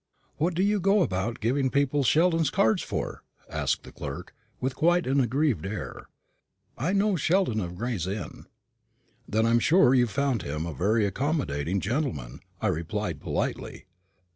"What do you go about giving people Sheldon's card for?" asked the clerk, with quite an aggrieved air. "I know Sheldon of Gray's Inn." "Then I'm sure you've found him a very accommodating gentleman," I replied, politely.